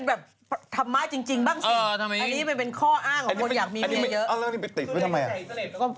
แล้วที่นี่ไปติดที่ไหน